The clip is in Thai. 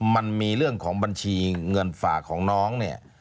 มันมีเรื่องของบัญชีเงินฝากของน้องเนี่ย